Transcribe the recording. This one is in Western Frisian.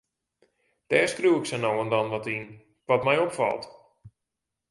Dêr skriuw ik sa no en dan wat yn, wat my opfalt.